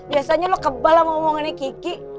biasanya lo kebal lah ngomonginnya kiki